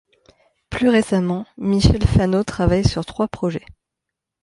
Plus récemment, Michel Fano travaille sur trois projets.